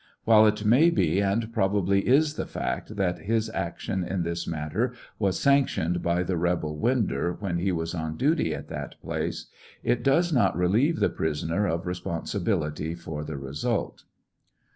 While it may be and probably is the fact that his action in this matter was sanctioned by the rebel Winder when he was on duty at that place, it does not relieve the prisoner of responsibility for the result.